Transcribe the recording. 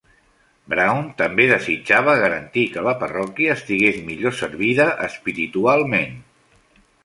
Browne també desitjava garantir que la parròquia estigués millor servida espiritualment.